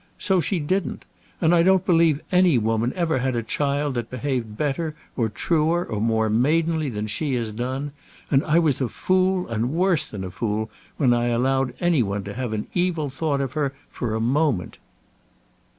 So she didn't. And I don't believe any woman ever had a child that behaved better, or truer, or more maidenly than she has done. And I was a fool, and worse than a fool, when I allowed any one to have an evil thought of her for a moment."